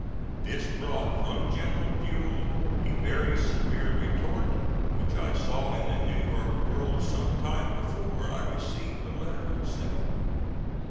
This brought from General Buell a very severe retort, which I saw in the New York World some time before I received the letter itself.